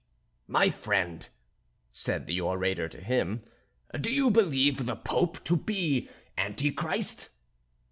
"My friend," said the orator to him, "do you believe the Pope to be Anti Christ?"